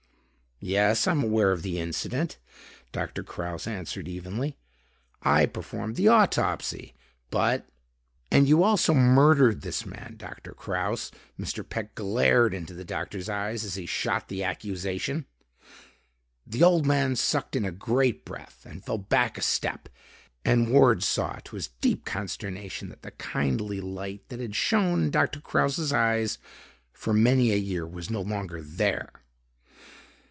"Yes, I am aware of the incident," Doctor Kraus answered evenly. "I performed the autopsy. But...." "And you also murdered this man, Doctor Kraus!" Mr. Peck glared into the doctor's eyes as he shot the accusation. The old man sucked in a great breath and fell back a step and Ward saw, to his deep consternation, that the kindly light that had shown in Doctor Kraus's eyes for many a year, was no longer there.